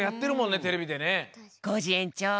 コージえんちょう